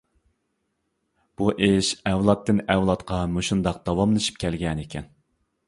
بۇ ئىش ئەۋلادتىن ئەۋلادقا مۇشۇنداق داۋاملىشىپ كەلگەنىكەن.